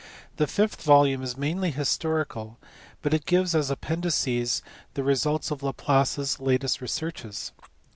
The fifth volume is mainly historical, but it gives as appendices the results of Laplace s latest researches.